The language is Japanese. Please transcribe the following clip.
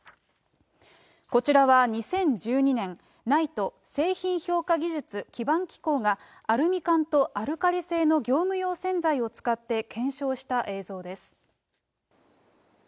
こちらは２０１２年、ＮＩＴＥ・製品評価技術基盤機構が、アルミ缶とアルカリ性の業務用洗剤を使って検証した映像です。